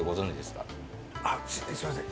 すいません